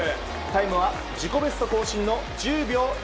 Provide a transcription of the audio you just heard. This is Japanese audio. タイムは自己ベスト更新の１０秒１９。